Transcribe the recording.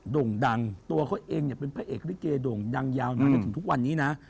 โด่งดังตัวเขาเองเนี่ยเป็นพระเอกลิเกโด่งดังยาวนานจนถึงทุกวันนี้นะ